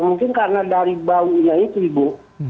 mungkin karena dari baunya itu ibu